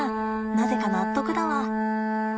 なぜか納得だわ。